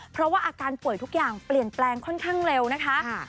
เพราะว่าอาการป่วยทุกอย่างเปลี่ยนแปลงค่อนข้างเร็วนะคะ